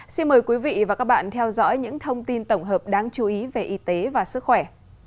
xin mời quý vị và các bạn theo dõi những thông tin tổng hợp đáng chú ý về y tế và sức khỏe